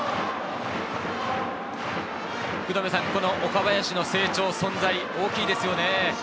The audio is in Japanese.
この岡林の成長、存在、大きいですよね。